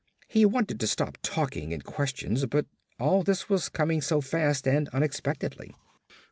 He wanted to stop talking in questions but all this was coming so fast and unexpectedly.